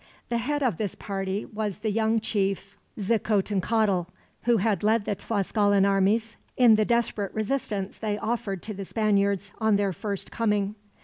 The head of this party was the young chief Xicotencatl, who had led the Tlascalan armies in the desperate resistance they offered to the Spaniards, on their first coming.